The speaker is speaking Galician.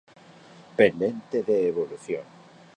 Pendente de evolución.